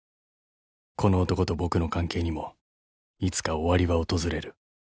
［この男と僕の関係にもいつか終わりは訪れる］